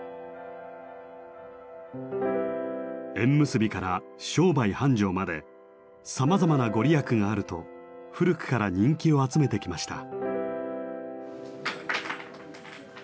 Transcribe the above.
縁結びから商売繁盛までさまざまな御利益があると古くから人気を集めてきました。